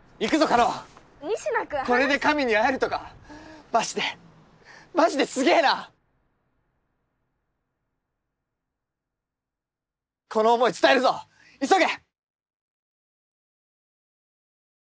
科君離してこれで神に会えるとかマジでマジですげえなこの思い伝えるぞ急げ！